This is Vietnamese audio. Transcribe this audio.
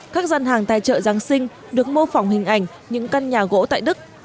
các dân hàng tài trợ giáng sinh được mô phỏng hình ảnh những căn nhà gỗ tại đức